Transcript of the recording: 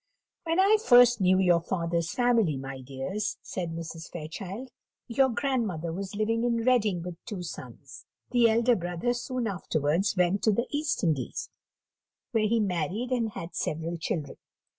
"When I first knew your father's family, my dears," said Mrs. Fairchild, "your grandmother was living in Reading with two sons: the elder brother soon afterwards went to the East Indies, where he married and had several children.